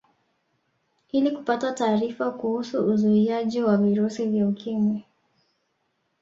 Ili kupata taarifa kuhusu uzuiaji wa virusi vya Ukimwi